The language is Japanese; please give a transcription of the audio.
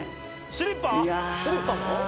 スリッパも？